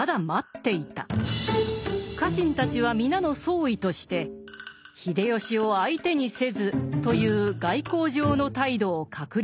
家臣たちは皆の総意として「秀吉を相手にせず」という外交上の態度を確立した。